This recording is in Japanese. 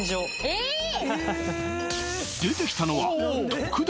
えっ？